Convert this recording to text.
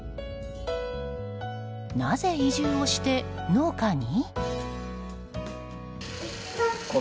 なぜ移住をして農家に？